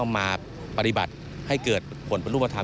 มาปฏิบัติให้เกิดผลประลูกภาษา